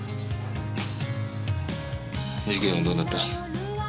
事件はどうなった？